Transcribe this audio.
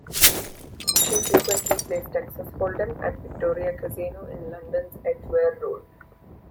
She frequently plays Texas hold 'em at the Victoria Casino in London's Edgware Road.